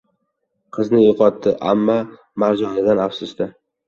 • Qizini yo‘qotdi, ammo marjonidan afsusda.